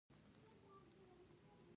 ډرامه د شخصیت روزنه کوي